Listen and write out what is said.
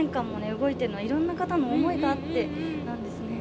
動いてるのはいろんな方の思いがあってなんですね。